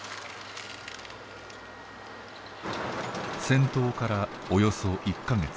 戦闘からおよそ１か月。